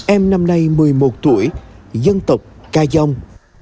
em năm nay một mươi một tuổi dân tộc ca dông